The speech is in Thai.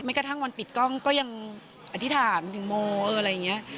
กระทั่งวันปิดกล้องก็ยังอธิษฐานถึงโมอะไรอย่างนี้